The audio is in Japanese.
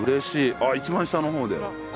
あっ一番下の方で？